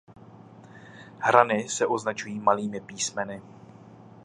Hrany se označují malými písmeny.